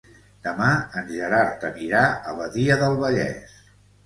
Demà en Gerard anirà a Badia del Vallès.